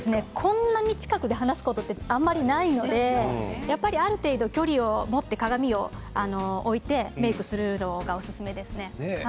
こんなに近くで話すことはあまりないのである程度、距離を置いて鏡を置いてメークするのがおすすめですね。